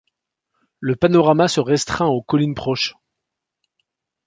Le panorama se restreint aux collines proches.